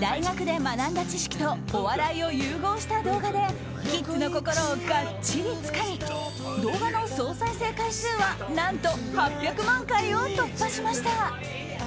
大学で学んだ知識とお笑いを融合した動画でキッズの心をがっちりつかみ動画の総再生回数は何と８００万回を突破しました。